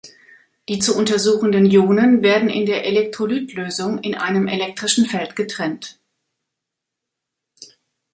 Die zu untersuchenden Ionen werden in der Elektrolytlösung in einem elektrischen Feld getrennt.